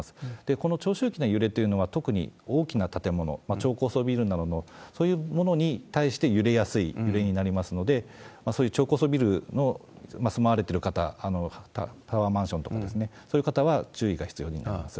この長周期の揺れというのは、特に大きな建物、超高層ビルなど、そういうものに対して揺れやすい原因になりますので、そういう超高層ビルに住まわれてる方、タワーマンションとかですね、そういう方は注意が必要になります。